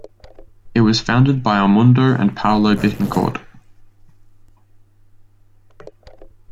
It was founded by Edmundo and Paulo Bittencourt.